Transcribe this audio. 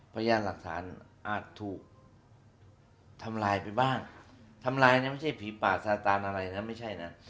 พยานหลักฐานอาจถูกทำลายไปบ้างทำลายนะไม่ใช่ผีป่าสาตานอะไรนะไม่ใช่นะ